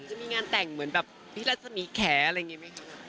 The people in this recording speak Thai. จะมีงานแต่งเหมือนแบบพี่รัศมีแขอะไรอย่างนี้ไหมคะ